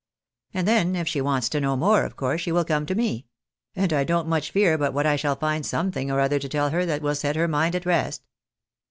And then, if she wants to know more, of course she will come to me — and I don't much fear but what I shall find something or other to tell her that will set her mind at rest."